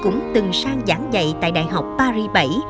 cũng từng sang giảng dạy tại đh paris vii